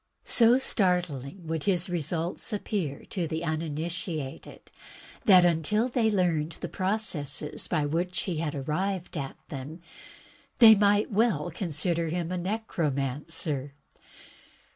So startling would his results app>ear to the uninitiated that, until they learned the processes by which he had arrived at them, they might well consider him a necromancer.